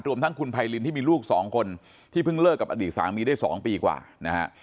ทั้งคุณไพรินที่มีลูกสองคนที่เพิ่งเลิกกับอดีตสามีได้๒ปีกว่านะฮะ